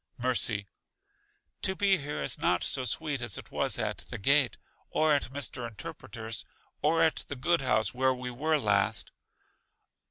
Mercy: To be here is not so sweet as it was at The Gate, or at Mr. Interpreter's, or at the good house where we were last.